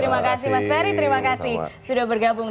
mas ferry terima kasih sudah bergabung